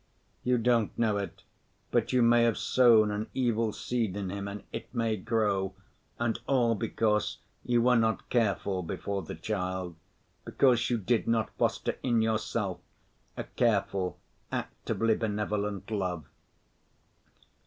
You don't know it, but you may have sown an evil seed in him and it may grow, and all because you were not careful before the child, because you did not foster in yourself a careful, actively benevolent love.